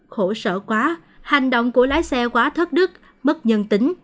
khổ sợ quá hành động của lái xe quá thất đức mất nhân tính